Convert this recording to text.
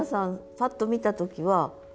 パッと見た時は。